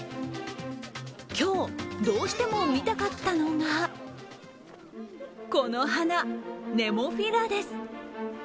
今日、どうしても見たかったのがこの花、ネモフィラです。